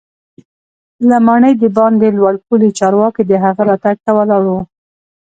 له ماڼۍ دباندې لوړ پوړي چارواکي د هغه راتګ ته ولاړ وو.